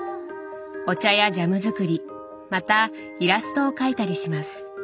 お茶やジャム作りまたイラストを描いたりします。